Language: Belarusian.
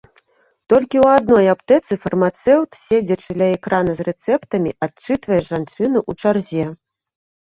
Толькі ў адной аптэцы фармацэўт, седзячы ля экрана з рэцэптамі адчытвае жанчыну ў чарзе.